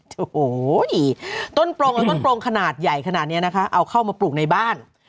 โอ้โหต้นโปรงและต้นโปรงขนาดใหญ่ขนาดนี้นะคะเอาเข้ามาปลูกในบ้าน